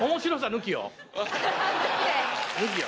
抜きよ。